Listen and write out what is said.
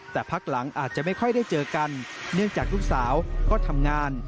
แต่พักหลังอาจจะไม่ค่อยได้เจอกันเนื่องจากลูกสาวก็ทำงาน